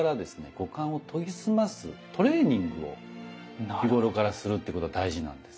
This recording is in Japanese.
五感を研ぎ澄ますトレーニングを日頃からするということは大事なんです。